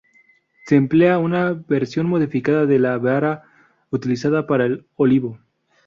Se emplea una versión modificada de la vara utilizada para el olivo.